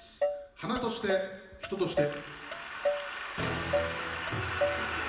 「花として人として」。